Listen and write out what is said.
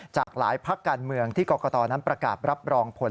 จากหลายพักการเมืองที่กรกตนั้นประกาศรับรองผล